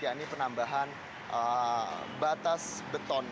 yakni penambahan batas beton